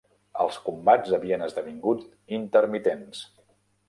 Els combats havien esdevingut intermitents.